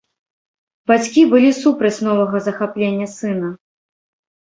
Бацькі былі супраць новага захаплення сына.